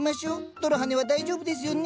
泥はねは大丈夫ですよね。